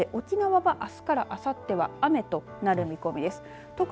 一方で、沖縄はあすからあさっては雨となる見込みです。